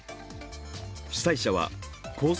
主催者はコース